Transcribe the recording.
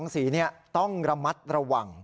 ๒สีต้องระมัดระวัง